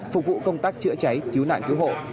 phục vụ công tác chữa cháy cứu nạn cứu hộ